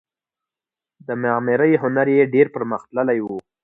د معمارۍ هنر یې ډیر پرمختللی و